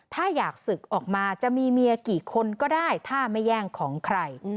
ถ้าอยากศึกออกมาจะมีเมียกี่คนก็ได้ถ้าไม่แย่งของใคร